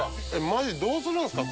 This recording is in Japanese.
マジどうするんですか？